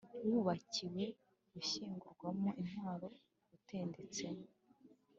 wubakiwe gushyingurwamo intwaro utendetsemo